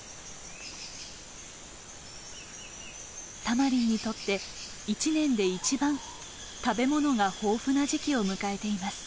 タマリンにとって一年で一番食べ物が豊富な時期を迎えています。